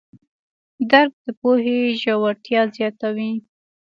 درک د پوهې ژورتیا زیاتوي.